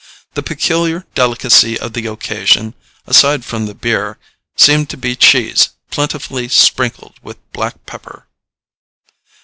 The peculiar delicacy of the occasion, aside from the beer, seemed to be cheese, plentifully sprinkled with black pepper.